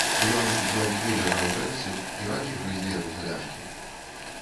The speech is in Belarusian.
Ён дзён тры ляжаў у рэчцы, і ракі грызлі яго за ляшкі.